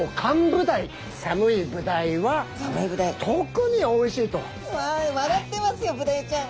特に特に。わ笑ってますよブダイちゃん。